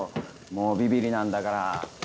もうビビりなんだから。